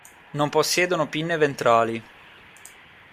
Non possiedono pinne ventrali.